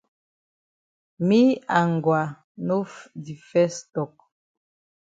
Me and Ngwa no di fes tok.